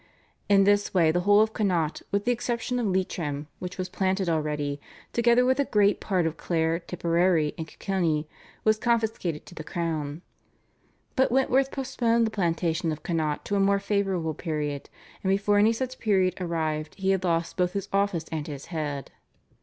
In this way the whole of Connaught, with the exception of Leitrim which was planted already, together with a great part of Clare, Tipperary, and Kilkenny was confiscated to the crown. But Wentworth postponed the plantation of Connaught to a more favourable period, and before any such period arrived he had lost both his office and his head.